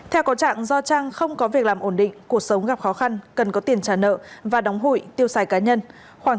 theo có trạng do trang không có việc làm ổn định cuộc sống gặp khó khăn cần có tiền trả nợ và đóng hụi tiêu xài cá nhân